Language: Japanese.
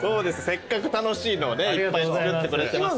せっかく楽しいのをねいっぱいつくってくれてますから。